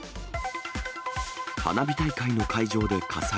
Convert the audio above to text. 花火大会の会場で火災。